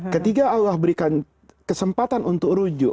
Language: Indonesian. ketika allah berikan kesempatan untuk rujuk